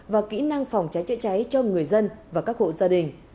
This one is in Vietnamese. và kỹ năng phòng cháy chữa cháy cho người dân và các hộ gia đình